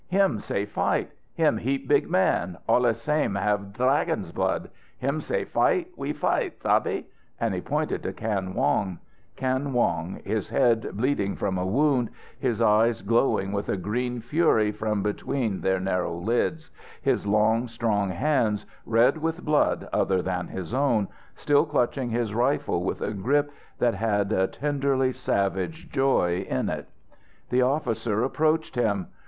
"Him say fight. Him heap big man, alle same have Dlagon's blood. Him say fight, we fight, sabe?" And he pointed to Kan Wong Kan Wong, his head bleeding from a wound, his eyes glowing with a green fury from between their narrow lids, his long, strong hands, red with blood other than his own, still clutching his rifle with a grip that had a tenderly savage joy in it. The officer approached him.